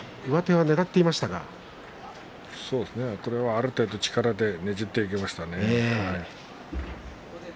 ある程度力でねじっていきましたね。